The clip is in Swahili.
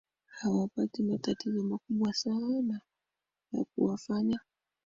hawapati matatizo makubwa sana ya kuwafanya